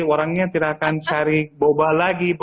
orangnya tidak akan cari boba lagi